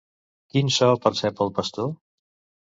Quin so percep el pastor?